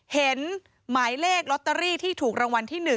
เห็นหมายเลขลอตเตอรี่ที่ถูกรางวัลที่๑